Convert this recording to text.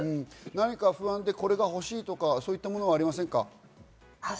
何か不安でこれが欲しいとか、そういうものはありませんか？